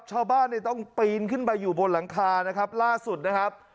ชาวบ้านเนี่ยต้องปีนขึ้นไปอยู่บนหลังคานะครับล่าสุดนะครับ